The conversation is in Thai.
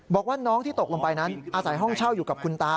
บอกว่าน้องที่ตกลงไปนั้นอาศัยห้องเช่าอยู่กับคุณตา